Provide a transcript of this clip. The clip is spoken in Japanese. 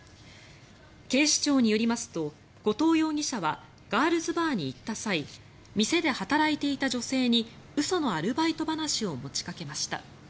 警視庁によりますと後藤容疑者はガールズバーに行った際店で働いていた女性に嘘のアルバイト話を持ちかけました。